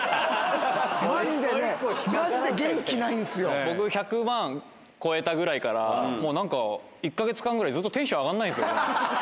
まじでね、まじで、元気ない僕、１００万超えたぐらいから、もうなんか、１か月間ぐらい、ずっとテンション上がんないんですよ。